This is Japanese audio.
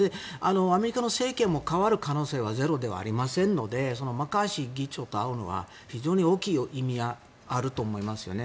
アメリカの政権も代わる可能性はゼロではありませんからマッカーシー議長と会うのは非常に大きい意味があると思いますよね。